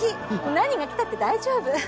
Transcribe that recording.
何がきたって大丈夫！